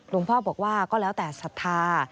ลวงพ่อก็บอกว่าก็แล้วแต่ศรัตริย์